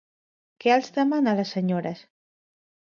Què els demana a les senyores?